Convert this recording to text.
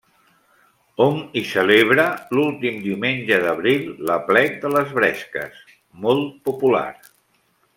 Hom hi celebra l'últim diumenge d'abril l'aplec de les Bresques, molt popular.